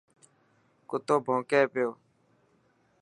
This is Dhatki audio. ڪتو ڀونڪي پيو.